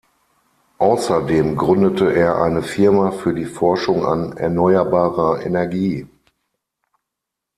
Außerdem gründete er eine Firma für die Forschung an erneuerbarer Energie.